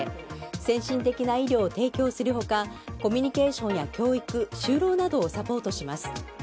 先進的な医療を提供する他コミュニケーションや教育就労などをサポートします。